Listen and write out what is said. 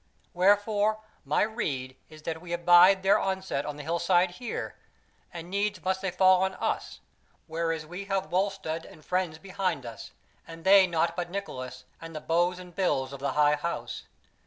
Wherefore my rede is that we abide their onset on the hillside here; and needs must they fall on us, whereas we have Wulstead and friends behind us, and they nought but Nicholas and the bows and bills of the High House.